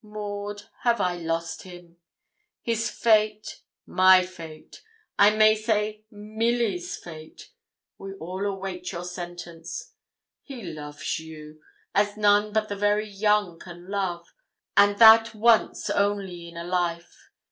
Maud, have I lost him? His fate my fate I may say Milly's fate; we all await your sentence. He loves you, as none but the very young can love, and that once only in a life.